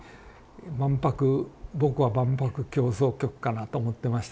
万博僕は万博狂騒曲かなと思ってました。